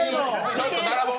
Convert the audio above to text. ちょっと並ぼう。